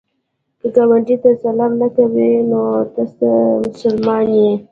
که ګاونډي ته سلام نه کوې، نو ته څه مسلمان یې؟